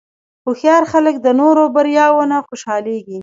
هوښیار خلک د نورو بریاوو نه خوشحالېږي.